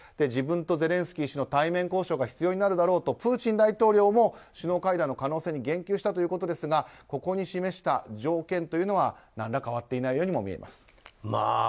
自分とゼレンスキー氏との対面交渉が必要になるだろうとプーチン大統領も首脳会談の可能性について言及したということですがここに示した条件は変わっていないようにも思えます。